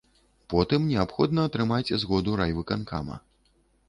Потым неабходна атрымаць згоду райвыканкама.